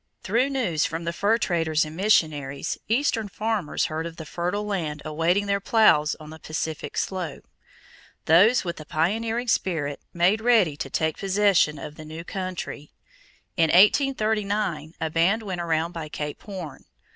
Through news from the fur traders and missionaries, Eastern farmers heard of the fertile lands awaiting their plows on the Pacific slope; those with the pioneering spirit made ready to take possession of the new country. In 1839 a band went around by Cape Horn.